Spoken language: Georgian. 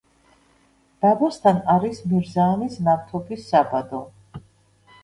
დაბასთან არის მირზაანის ნავთობის საბადო.